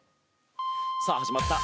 さあ始まった。